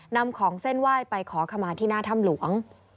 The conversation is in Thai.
นำของเส้นไหว้ไปขอขมาที่หน้าถ้ำหลวง